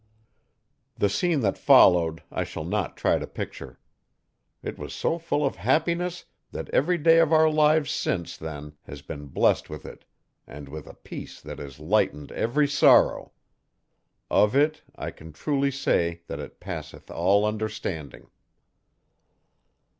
The scene that followed I shall not try to picture. It was so full of happiness that every day of our lives since then has been blessed with it and with a peace that has lightened every sorrow; of it, I can truly say that it passeth all understanding.